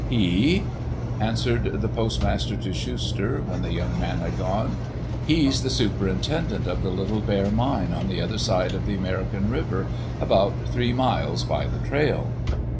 "He?" answered the postmaster to Schuster, when the young man had gone. "He's the superintendent of the Little Bear mine on the other side of the American River, about three miles by the trail."